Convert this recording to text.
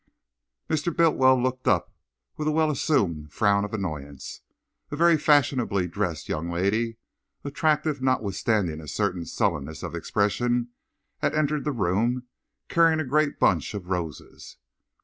Mr. Bultiwell looked up with a well assumed frown of annoyance. A very fashionably dressed young lady, attractive notwithstanding a certain sullenness of expression, had entered the room carrying a great bunch of roses.